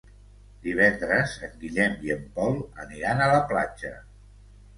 Divendres en Guillem i en Pol aniran a la platja.